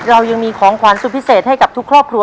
เรายังมีของขวัญสุดพิเศษให้กับทุกครอบครัว